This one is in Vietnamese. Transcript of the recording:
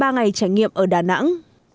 ngày trải nghiệm ở đà nẵng